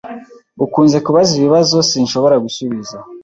Ukunze kubaza ibibazo sinshobora gusubiza.